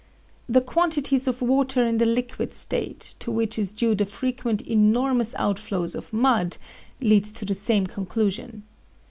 The quantities of water in the liquid state, to which is due the frequent enormous outflows of mud, leads to the same conclusion.